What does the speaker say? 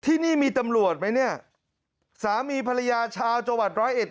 ที่นี่มีตำรวจไหมเนี่ยสามีภรรยาชาวจังหวัดร้อยเอ็ด